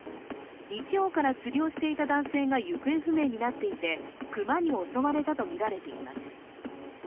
日曜から釣りをしていた男性が行方不明になっていて熊に襲われたとみられています。